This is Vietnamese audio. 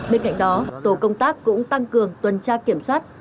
bên cạnh đó tổ công tác cũng tăng cường tuần tra kiểm soát